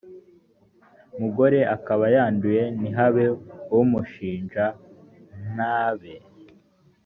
mugore akaba yanduye ntihabe umushinja ntabe